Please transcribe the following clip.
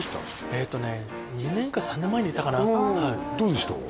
えっとね２年か３年前に行ったかなどうでした？